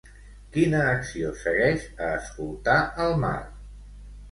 Quina acció segueix a escoltar el mar?